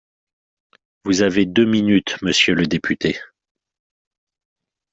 Vous avez deux minutes, monsieur le député.